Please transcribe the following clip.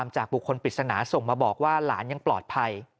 จากบุคคลปริศนาส่งมาบอกว่าหลานยังปลอดภัย